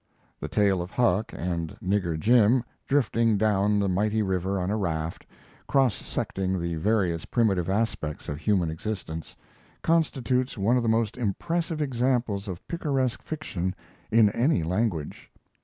The tale of Huck and Nigger Jim drifting down the mighty river on a raft, cross secting the various primitive aspects of human existence, constitutes one of the most impressive examples of picaresque fiction in any language.